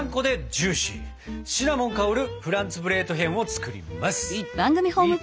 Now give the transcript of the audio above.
シナモン香るフランツブレートヒェンを作ります！